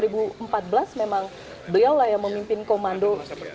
memang beliau lah yang memimpin komando